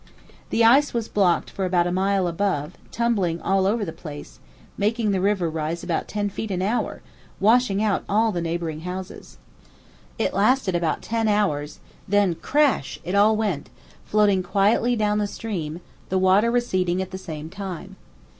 The ice was blocked for about a mile above, tumbling all over the place, making the river rise about ten feet an hour, washing out all the neighbouring houses. It lasted about ten hours, then crash it all went, floating quietly down the stream, the water receding at the same time.